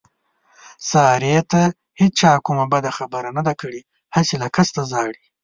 سارې ته هېچا کومه بده خبره نه ده کړې، هسې له قسته ژاړي.